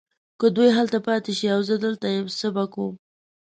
که دوی هلته پاته شي او زه دلته یم څه به کوم؟